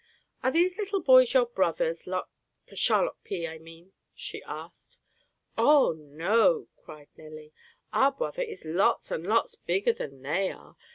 "Are these little boys your brothers, Lot Charlotte P., I mean?" she asked. "Oh, no!" cried Nelly. "Our bwother is lots and lots bigger than they are.